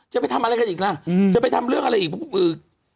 จะไปทำอะไรกันอีกล่ะจะไปทำเรื่องอะไรอีก